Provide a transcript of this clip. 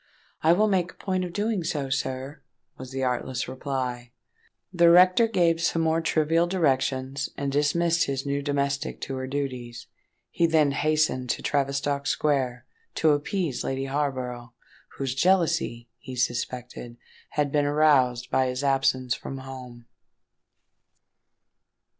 "I will make a point of doing so, sir," was the artless reply. The rector gave some more trivial directions, and dismissed his new domestic to her duties. He then hastened to Tavistock Square, to appease Lady Harborough, whose jealousy, he suspected, had been aroused by his absence from home.